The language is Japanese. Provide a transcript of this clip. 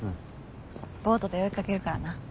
ボートで追いかけるからな。